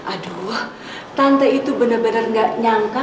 aduh tante itu bener bener nggak nyangka